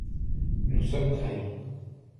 Nous sommes trahis!